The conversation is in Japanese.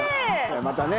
またね